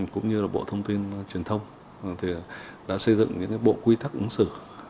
cũng như là bộ thông tin truyền thông thì đã xây dựng những bộ quy tắc ứng xử